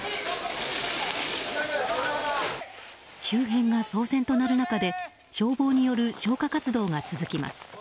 周辺が騒然となる中で消防による消火活動が続きます。